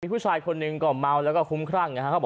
ผู้ชายคนหนึ่งก็เมาแล้วก็คุ้มครั่งนะครับ